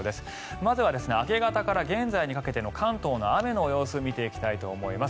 まずは明け方から現在にかけての関東の雨の様子を見ていきたいと思います。